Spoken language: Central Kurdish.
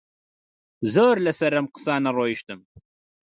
زۆر لەسەر ئەم قسانە ڕۆیشتم